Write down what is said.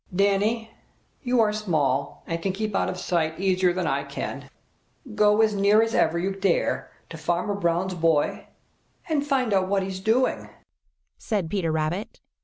"Danny, you are small and can keep out of sight easier than I can. Go as near as ever you dare to Farmer Brown's boy and find out what he is doing," said Peter Rabbit.